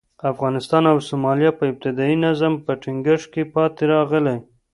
افغانستان او سومالیا په ابتدايي نظم په ټینګښت کې پاتې راغلي.